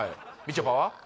ちょぱは？